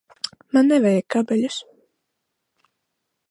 Man nevajag kabeļus.